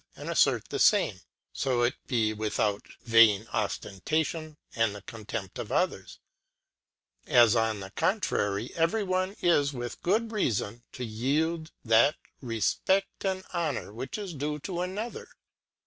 and affert the fame, fo it be without vain Oftentation and the Contempt of others ŌĆó, as on the contrary every one is with good reafon to yield that Refpe^t and Honour which is due to another.